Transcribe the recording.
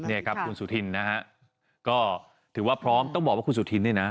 นี่ครับคุณสุธินนะฮะก็ถือว่าพร้อมต้องบอกว่าคุณสุธินเนี่ยนะ